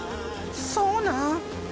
そうなん？